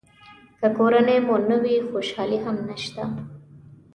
که کورنۍ مو نه وي خوشالي هم نشته.